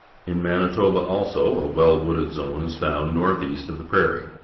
In ^lanitoba, also, a well wooded zone is found north east of the prairie.